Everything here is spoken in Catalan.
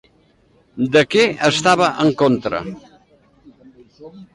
De què estava en contra?